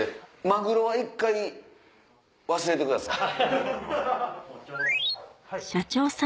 マグロは一回忘れてください。